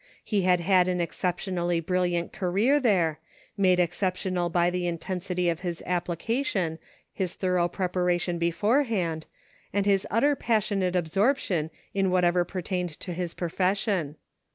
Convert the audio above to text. He had had an excep tionally brilliant career there, made exceptional by the intensity of his application, his thorough preparation beforehand, and his utter passionate absorption in whatever pertained to his profession.